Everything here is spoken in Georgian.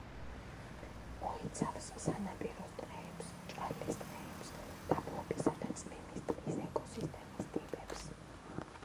მოიცავს სანაპიროს ტყეებს, ჭალის ტყეებს, დაბლობისა და წვიმის ტყის ეკოსისტემის ტიპებს.